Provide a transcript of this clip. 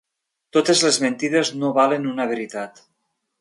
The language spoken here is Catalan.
Totes les mentides no valen una veritat.